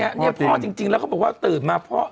เนี่ยพ่อจริงแล้วเขาบอกว่าตื่นมาพ่อ